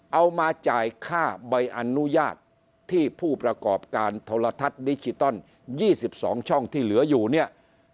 เอามาจ่ายค่าใบอนุญาตที่ผู้ประกอบการโทรทัศน์ดิจิตอล๒๒ช่องที่เหลืออยู่เนี่ย